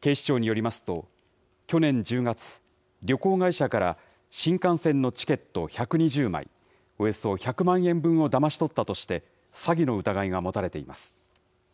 警視庁によりますと、去年１０月、旅行会社から新幹線のチケット１２０枚、およそ１００万円分をだまし取ったとして、詐欺の疑いが持たれています。